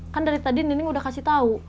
kan dari tadi nining udah kasih tau